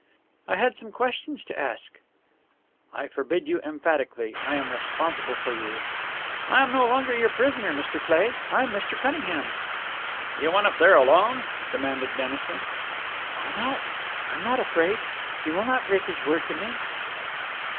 "I had some questions to ask." "I forbid you emphatically. I am responsible for you." "I am no longer your prisoner, Mr. Cleigh; I am Mr. Cunningham's." "You went up there alone?" demanded Dennison. "Why not? I'm not afraid. He will not break his word to me."